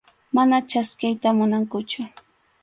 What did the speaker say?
Mana chaskiyta munankuchu.